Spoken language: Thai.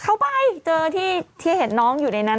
ไปเจอที่เห็นน้องอยู่ในนั้น